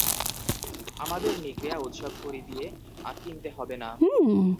আমাদের নিকড়িয়া উৎসব কড়ি দিয়ে কিনতে হবে না।